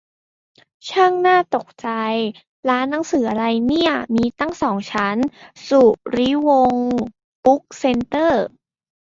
ช่างน่าตกใจ ร้านหนังสืออะไรเนี่ย มีตั้งสองชั้น สุริวงศ์บุ๊คเซ็นเตอร์